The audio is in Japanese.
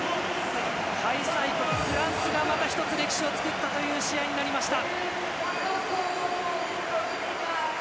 開催国フランスがまた１つ歴史を作った試合になりました。